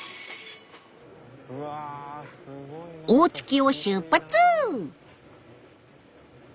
大月を出発！